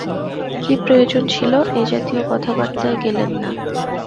কী প্রয়োজন ছিল এ-জাতীয় কথাবার্তায় গেলেন না।